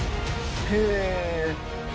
へえ！